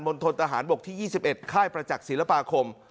มนตรฐานบกที่ยี่สิบเอ็ดค่ายประจักษ์ศิลปาคม